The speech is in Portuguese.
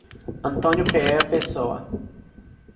Antônio Pereira Pessoa